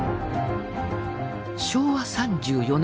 昭和３４年。